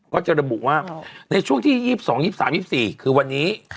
ก็จะระบุว่าในช่วงที่๒๒๒๓๒๔คือวันนี้